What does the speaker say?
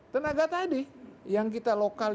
tenaga tadi yang kita lokal